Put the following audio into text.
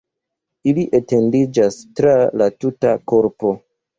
Ili etendiĝas tra la tuta korpo.